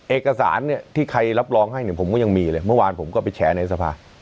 เอกสารเนี่ยที่ใครรับรองให้เนี่ยผมก็ยังมีเลยเมื่อวานผมก็ไปแฉในสภา